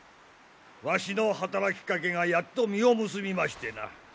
わしの働きかけがやっと実を結びましてな。